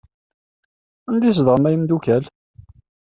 Anda i tzedɣem a imeddukal?